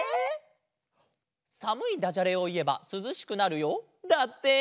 「さむいダジャレをいえばすずしくなるよ」だって！